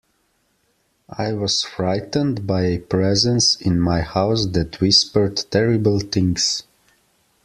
I was frightened by a presence in my house that whispered terrible things.